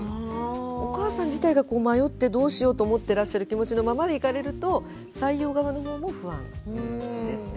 お母さん自体が迷ってどうしようと思ってらっしゃる気持ちのままで行かれると採用側の方も不安ですね。